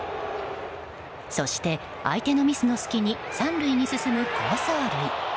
そして、相手のミスの隙に３塁に進む好走塁。